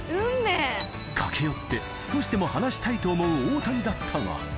駆け寄って少しでも話したいと思う大谷だったが。